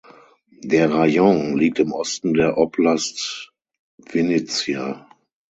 Der Rajon liegt im Osten der Oblast Winnyzja.